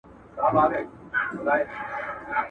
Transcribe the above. نه لحاظ کړي د قاضیانو کوټوالانو.